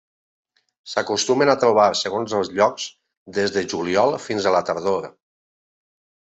S'acostumen a trobar, segons els llocs, des de juliol fins a la tardor.